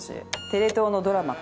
テレ東のドラマ